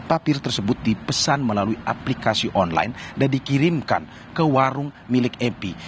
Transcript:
tapir tersebut dipesan melalui aplikasi online dan dikirimkan ke warung milik mp